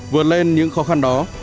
vượt lên những khó khăn đó